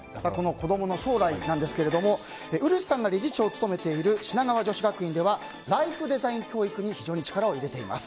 子供の将来なんですが漆さんが理事長を務めている品川女子学院ではライフデザイン教育に非常に力を入れています。